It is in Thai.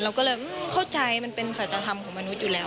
เราก็เลยเข้าใจมันเป็นสัจธรรมของมนุษย์อยู่แล้ว